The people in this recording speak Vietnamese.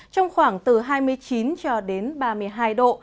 trong khoảng từ hai mươi chín cho đến ba mươi hai độ